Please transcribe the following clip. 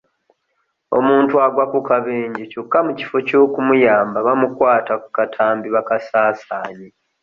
Omuntu agwa ku kabenje kyokka mu kifo ky'omuyamba bamukwata ku katambi bakasaasaanye.